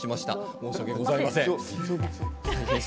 申し訳ございません。